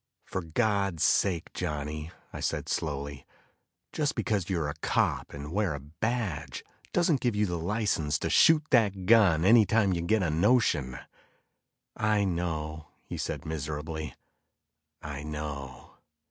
"For God's sake, Johnny," I said slowly, "Just because you're a cop and wear a badge doesn't give you the license to shoot that gun any time you get a notion." "I know," he said miserably, "I know."